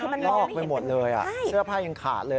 มันลอกไปหมดเลยเสื้อผ้ายังขาดเลย